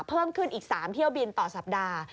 เพิ่มขึ้นอีก๓เที่ยวบินต่อสัปดาห์